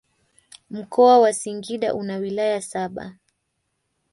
Mkoa wa singida una wilaya saba